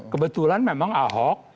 kebetulan memang ahok